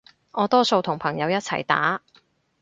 我多數同朋友一齊打